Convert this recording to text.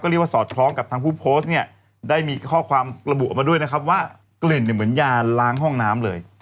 เรียกว่าสอดคล้องกับทางผู้โพสต์เนี่ยได้มีข้อความระบุออกมาด้วยนะครับว่ากลิ่นเนี่ยเหมือนยาล้างห้องน้ำเลย